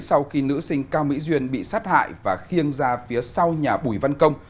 sau khi nữ sinh cao mỹ duyên bị sát hại và khiêng ra phía sau nhà bùi văn công